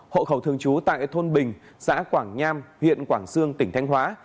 hộ khẩu thường trú tại thôn bình xã quảng nham huyện quảng sương tỉnh thanh hóa